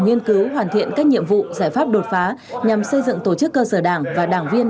nghiên cứu hoàn thiện các nhiệm vụ giải pháp đột phá nhằm xây dựng tổ chức cơ sở đảng và đảng viên